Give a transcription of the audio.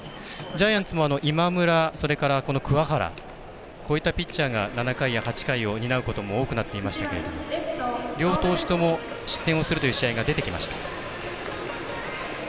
ジャイアンツも今村、鍬原こういったピッチャーが７回、８回を補うことも多くなっていましたけど両投手ともに失点するという試合が出てきました。